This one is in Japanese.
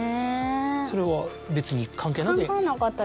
それは別に関係なく。